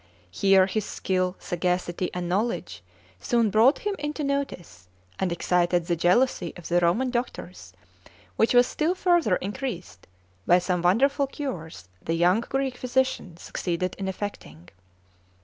Here his skill, sagacity, and knowledge soon brought him into notice, and excited the jealousy of the Roman doctors, which was still further increased by some wonderful cures the young Greek physician succeeded in effecting.